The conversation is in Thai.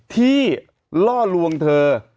ที่ล่อลวงเธอ